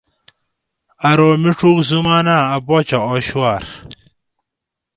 آرو میڄوک زُمانہ اٞ باچہ آ شو اٞر